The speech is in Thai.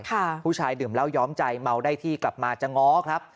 ผู้ชายดื่มเหล้าย้อมใจเมาได้ที่กลับมาจะง้อครับ